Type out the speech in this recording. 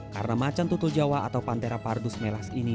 karena macan tutul jawa atau pantera pardus melas ini